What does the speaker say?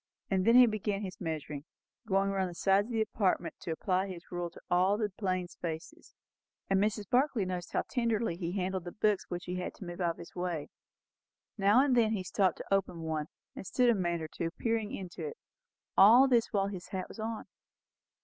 And then he began his measurements, going round the sides of the apartment to apply his rule to all the plain spaces; and Mrs. Barclay noticed how tenderly he handled the books which he had to move out of his way. Now and then he stopped to open one, and stood a minute or two peering into it. All this while his hat was on.